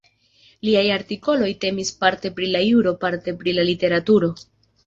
Liaj artikoloj temis parte pri la juro, parte pri la literaturo.